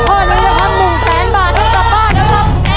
พอดูข้อนี้นะครับหนึ่งแสนบาทให้กลับบ้านนะครับ